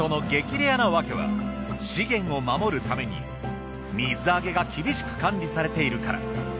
レアなわけは資源を守るために水揚げが厳しく管理されているから。